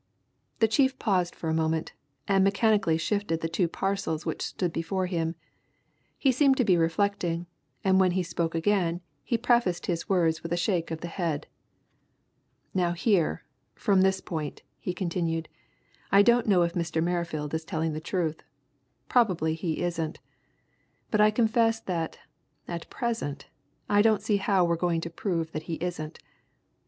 The chief paused for a moment, and mechanically shifted the two parcels which stood before him. He seemed to be reflecting, and when he spoke again he prefaced his words with a shake of the head. "Now here, from this point," he continued, "I don't know if Mr. Merrifield is telling the truth. Probably he isn't. But I confess that, at present, I don't see how we're going to prove that he isn't.